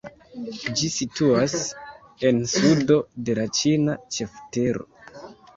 Ĝi situas en sudo de la ĉina ĉeftero.